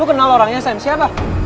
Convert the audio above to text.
lo kenal orangnya sam siapa